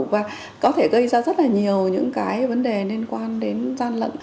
và có thể gây ra rất là nhiều những cái vấn đề liên quan đến gian lận